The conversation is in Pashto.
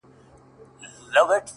هغه چي ځان زما او ما د ځان بولي عالمه-